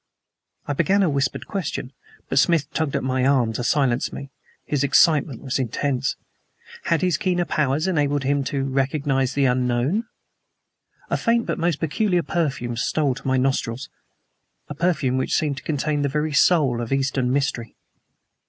I began a whispered question, but Smith tugged at my arm to silence me. His excitement was intense. Had his keener powers enabled him to recognize the unknown? A faint but most peculiar perfume stole to my nostrils, a perfume which seemed to contain the very soul of Eastern mystery.